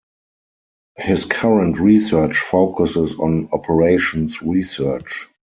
His current research focuses on operations research.